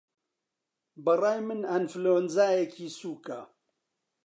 بەڕای من ئەنفلەوەنزایەکی سووکه